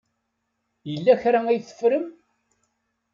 Yella kra ay teffrem?